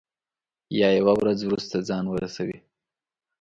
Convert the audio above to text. یا یوه ورځ وروسته ځان ورسوي.